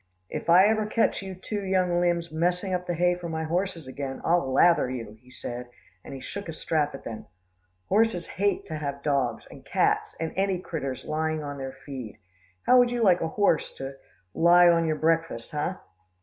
"If I ever ketch you two young limbs messing up the hay for my horses again, I'll lather you," he said, and he shook a strap at them. "Horses hate to have dogs, and cats, and any critters lying on their feed. How would you like a horse to lie on your breakfus, hey?"